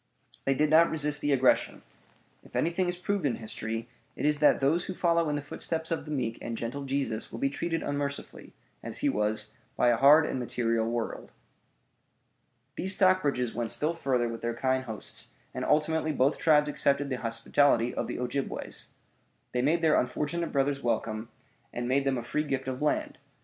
They did not resist the aggression. If anything is proved in history, it is that those who follow in the footsteps of the meek and gentle Jesus will be treated unmercifully, as he was, by a hard and material world. These Stockbridges went still further with their kind hosts, and ultimately both tribes accepted the hospitality of the Ojibways. They made their unfortunate brothers welcome, and made them a free gift of land.